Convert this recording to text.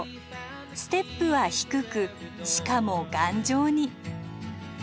ステップは低くしかも頑丈に。